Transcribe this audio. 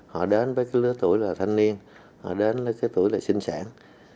họ đến với cái lứa tuổi là thanh niên họ đến cái tuổi là sinh sản